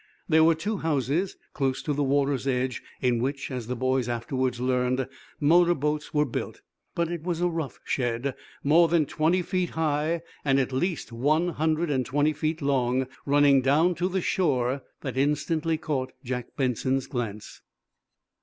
There were two houses, close to the water's edge in which, as the boys afterwards learned, motor boats were built. But it was a rough shed, more than twenty feet high, and at least one hundred and twenty feet long, running down to the shore, that instantly caught Jack Benson's glance.